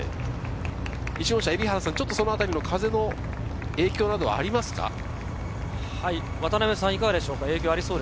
蛯原さん、風の影響などはありますか？